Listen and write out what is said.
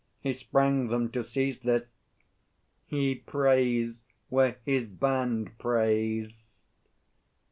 He sprang them to seize this! He preys where his band preys.